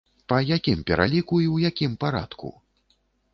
Па якім пераліку і ў якім парадку?